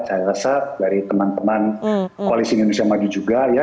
saya rasa dari teman teman koalisi indonesia maju juga ya